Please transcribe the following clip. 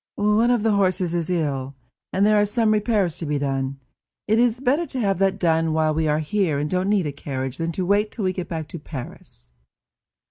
"One of the horses is ill, and there are some repairs to be done. It is better to have that done while we are here, and don't need a carriage, than to wait till we get back to Paris."